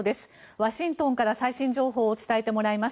ワシントンから最新情報を伝えてもらいます。